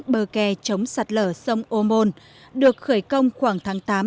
bờ kè chống sạt lở sông ô môn được khởi công khoảng tháng tám năm hai nghìn tám